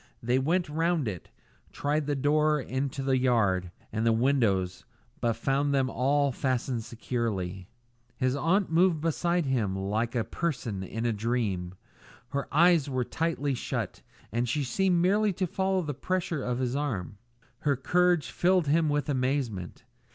They went round it, tried the door into the yard, and the windows, but found them all fastened securely. His aunt moved beside him like a person in a dream. Her eyes were tightly shut, and she seemed merely to follow the pressure of his arm. Her courage filled him with amazement.